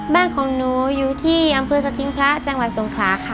บ้านของหนูอยู่ที่อำเภอสถิงพระจังหวัดสงขลาค่ะ